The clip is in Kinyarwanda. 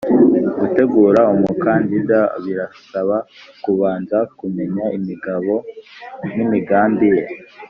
Gutegura umukandida birabasaba kubanza kumenya imigabbo n’imigambi ye